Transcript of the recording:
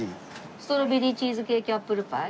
ストロベリーチーズケーキアップルパイ？